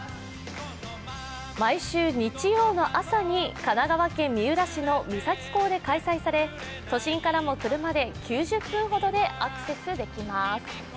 毎週日曜の朝に神奈川県三浦市の三崎港で開催され都心からも車で９０分ほどでアクセスできます。